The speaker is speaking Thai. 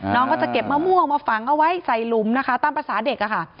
น้องก็จะเก็บมะม่วงมาฝังเอาไว้ใส่หลุมนะคะตามภาษาเด็กอะค่ะ